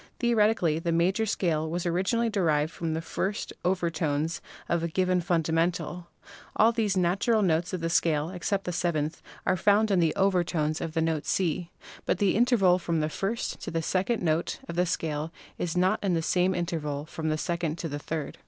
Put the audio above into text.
Theoretically the major scale was originally derived from the first few over tones of a given fundamental. All the natural notes of the scale, except the seventh, are found in the overtones of the SOUND 131 note C. But the interval from the first to the second note of the scale is not the same as the interval from the second to the third.